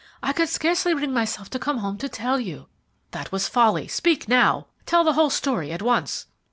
I could scarcely bring myself to come home to tell you." "That was folly. Speak now. Tell the whole story at once."